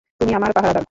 তুমি আমার পাহারাদার।